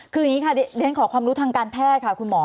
คืออย่างนี้ค่ะเรียนขอความรู้ทางการแพทย์ค่ะคุณหมอ